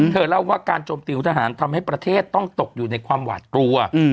เธอเล่าว่าการจมติวทหารทำให้ประเทศต้องตกอยู่ในความหวาดกลัว